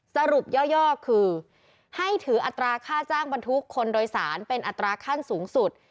สรุปย่อคือให้ถืออัตราค่าจ้างบรรทุกคนโดยสารเป็นอัตราขั้นสูงสุด